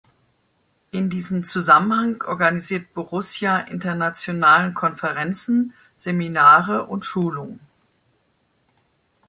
In diesem Zusammenhang organisiert Borussia internationalen Konferenzen, Seminare und Schulungen.